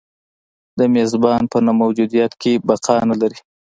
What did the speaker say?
د میزبان په نه موجودیت کې بقا نه لري.